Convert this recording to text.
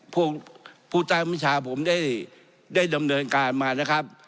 พวกผู้ตาวิชาผมได้ได้ดำเนินการมานะครับ